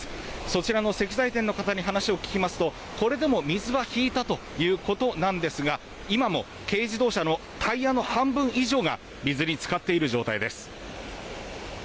そちらの石材店の方に話を聞きますとこれでも水は引いたということなんですが今も軽自動車のタイヤの半分以上が水につかっている状態です。